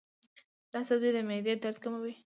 دا سبزی د معدې درد کموي.